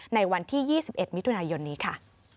ในวันที่๒๑มิถุนายนนี้ค่ะ